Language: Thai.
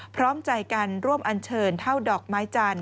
พร้อมใจกันร่วมอันเชิญเท่าดอกไม้จันท